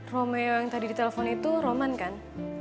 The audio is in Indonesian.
romeo yang tadi di telpon itu roman kan